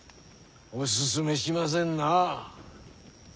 お勧めしませんな。